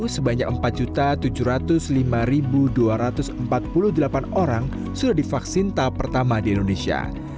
sebanyak empat tujuh ratus lima dua ratus empat puluh delapan orang sudah divaksin tahap pertama di indonesia